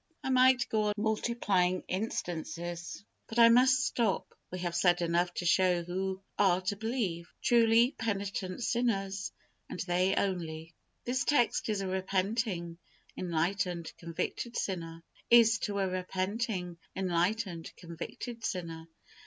I might go on multiplying instances, but I must stop. We have said enough to show who are to believe. Truly penitent sinners, and they only. This text is to a repenting, enlightened, convicted sinner.